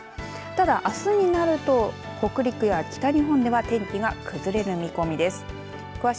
ただ、あすになると北陸や北日本では天気が崩れる見込みです。